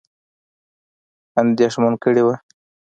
اندېښمن کړي وه.